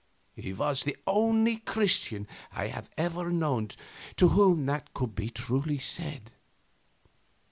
He was the only Christian I have ever known of whom that could be truly said.